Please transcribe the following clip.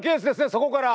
そこから。